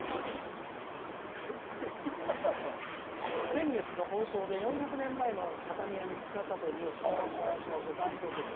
「先月の放送で４００年前の畳が見つかったというニュース。